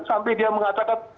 sampai dia mengatakan